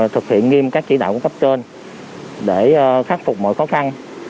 thực hiện nghiêm các chỉ đạo của cấp trên để khắc phục mọi khó khăn